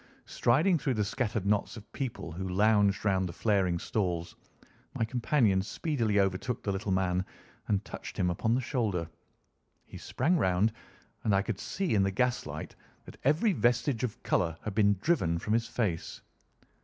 Striding through the scattered knots of people who lounged round the flaring stalls, my companion speedily overtook the little man and touched him upon the shoulder. He sprang round, and I could see in the gas light that every vestige of colour had been driven from his face.